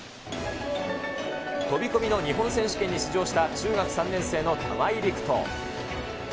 飛び込みの日本選手権に出場した中学３年生の玉井陸斗。